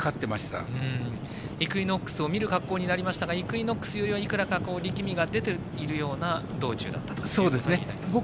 イクイノックスを見る格好になりましたがイクイノックスよりはいくらか力みが出ている道中だったかなと思いますかね。